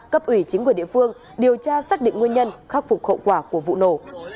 cấp ủy chính quyền địa phương điều tra xác định nguyên nhân khắc phục hậu quả của vụ nổ